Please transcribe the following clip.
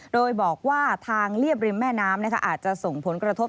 โดยบอกว่าทางเรียบริมแม่น้ำอาจจะส่งผลกระทบ